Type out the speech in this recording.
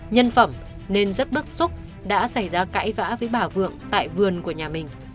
nhân phẩm nên rất bức xúc đã xảy ra cãi vã với bà vượng tại vườn của nhà mình